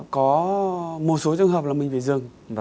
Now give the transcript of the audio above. có một số trường hợp là mình phải dừng